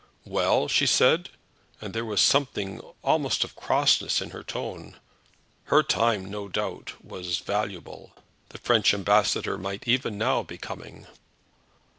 "Well!" she said; and there was something almost of crossness in her tone. Her time, no doubt, was valuable. The French ambassador might even now be coming.